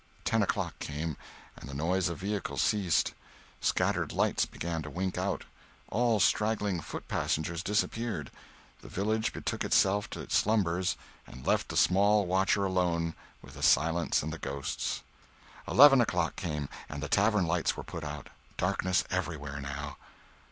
Ten o'clock came, and the noise of vehicles ceased, scattered lights began to wink out, all straggling foot passengers disappeared, the village betook itself to its slumbers and left the small watcher alone with the silence and the ghosts. Eleven o'clock came, and the tavern lights were put out; darkness everywhere, now.